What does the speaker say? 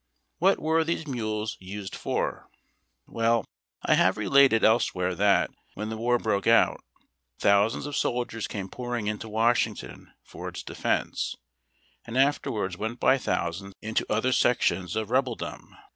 What were these mules used for ? Well, I have related elsewhere that, when the war broke out, thousands of soldiers came pouring into Washington for its defence, and afterwards went by thousands into other sections of Rebel dom.